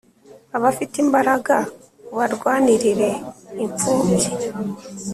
Abafite imbaraga ubarwanirire inpfubyi